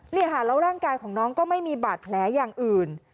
นี่ค่ะแล้วร่างกายของน้องก็ไม่มีบาดแผลอย่างอื่น